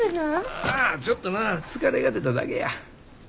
ああちょっとな疲れが出ただけや。